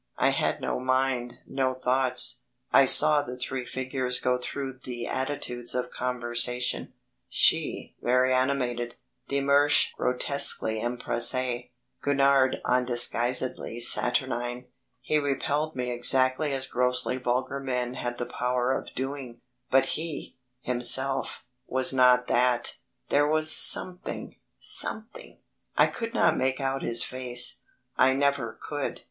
I had no mind, no thoughts. I saw the three figures go through the attitudes of conversation she very animated, de Mersch grotesquely empressé, Gurnard undisguisedly saturnine. He repelled me exactly as grossly vulgar men had the power of doing, but he, himself, was not that there was something ... something. I could not quite make out his face, I never could.